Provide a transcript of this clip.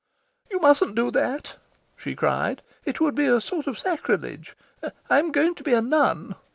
"You mustn't do that!" she cried. "It would be a sort of sacrilege. I am going to be a nun.